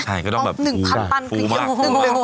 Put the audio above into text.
ใช่ก็ต้องแบบ๑๐๐๐ตันคือเยอะมาก